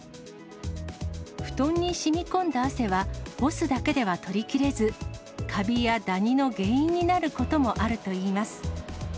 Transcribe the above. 布団にしみこんだ汗は、干すだけでは取りきれず、カビやダニの原因になることもあるといいます。